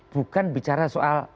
bukan bicara soal